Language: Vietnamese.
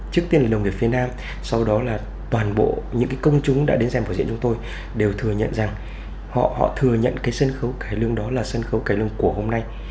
trước tiên là đồng nghiệp phía nam sau đó là toàn bộ những công chúng đã đến xem vở diễn chúng tôi đều thừa nhận rằng họ thừa nhận cái sân khấu cải lương đó là sân khấu cải lương cổ hôm nay